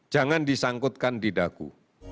jangan disangkutkan di dagu